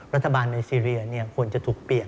รัฐบาลในซีเรียควรจะถูกเปลี่ยน